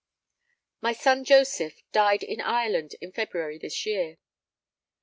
My son Joseph died in Ireland in February this year.